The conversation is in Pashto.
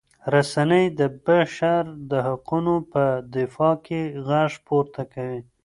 رسنۍ د بشر د حقونو په دفاع کې غږ پورته کوي.